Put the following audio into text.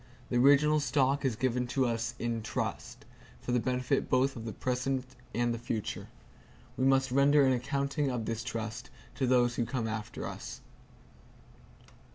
The original stock is given to us in trust, for the benefit both of the present and the future. We must render an accounting of this trust to those who come after us.